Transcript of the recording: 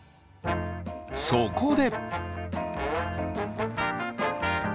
そこで！